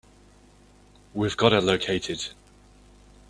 We've got her located.